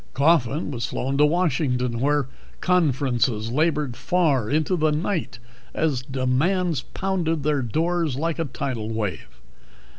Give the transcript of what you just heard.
Coffin was flown to Washington, where conferences labored far into the night as demands pounded their doors like a tidal wave.